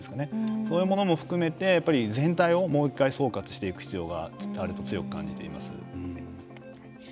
そういうものも含めて全体を、もう１回総括していく必要があると強く感じています。